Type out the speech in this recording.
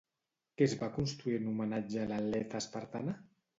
Què es va construir en homenatge a l'atleta espartana?